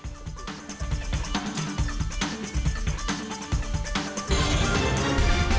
terima kasih pak pak pasek